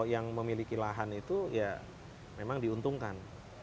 yang memiliki lahan itu ya memang diuntungkan